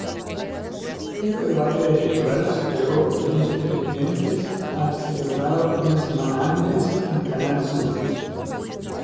Este debate electoral superó en televidentes al celebrado una semana antes en Canal Sur.